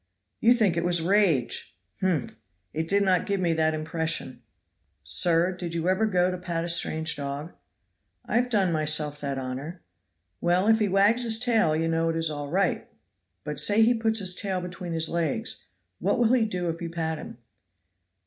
"You think it was rage! Humph! it did not give me that impression." "Sir, did you ever go to pat a strange dog?" "I have done myself that honor." "Well, if he wags his tail you know it is all right; but say he puts his tail between his legs, what will he do if you pat him?"